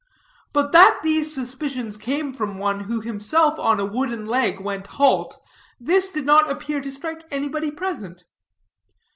But that these suspicions came from one who himself on a wooden leg went halt, this did not appear to strike anybody present.